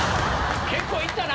結構いったな。